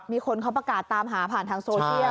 มีคนเขาประกาศตามหาผ่านทางโซเชียล